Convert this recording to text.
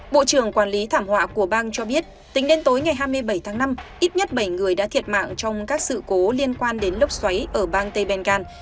bộ trưởng quản lý thảm họa của bang cho biết tính đến tối ngày hai mươi bảy tháng năm ít nhất bảy người đã thiệt mạng trong các sự cố liên quan đến lốc xoáy ở bang tây bengal